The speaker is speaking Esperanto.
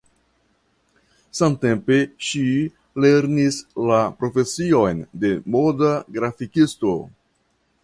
Samtempe ŝi lernis la profesion de moda grafikisto.